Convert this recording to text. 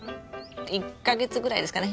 １か月ぐらいですかね。